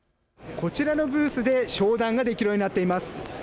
こちらのブースで商談ができるようになっています。